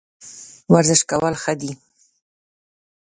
ورزش کول ښه دي